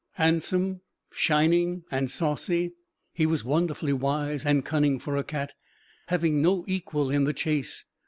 Handsome, shining and saucy, he was wonderfully wise and cunning for a cat, having no equal in the chase.